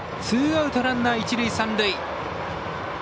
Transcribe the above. ツーアウト、ランナー、一塁三塁。